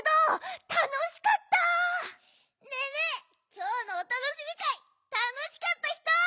きょうのおたのしみかいたのしかったひと！